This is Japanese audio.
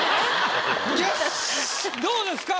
どうですか？